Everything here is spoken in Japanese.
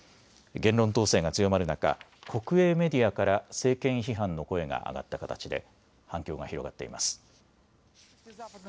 言論統制が強まる中、国営メディアから政権批判の声が上がった形で反響が広がっています。